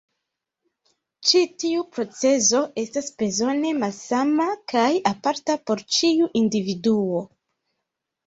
Ĉi tiu procezo estas bezone malsama kaj aparta por ĉiu individuo.